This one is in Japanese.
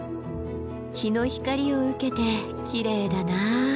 日の光を受けてきれいだな。